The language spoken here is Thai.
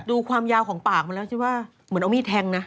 ดูความยาวของปากมันแล้วสิว่าเหมือนเอามีดแทงนะ